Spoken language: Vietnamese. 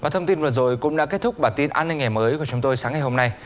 thông tin vừa rồi cũng đã kết thúc bản tin an ninh ngày mới của chúng tôi sáng ngày hôm nay